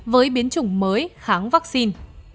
với biến chủng mới kháng vaccine